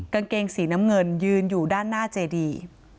กางเกงสีน้ำเงินยืนอยู่ด้านหน้าเจดี